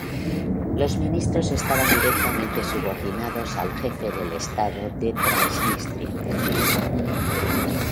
Los ministros estaban directamente subordinados al jefe del estado de Transnistria.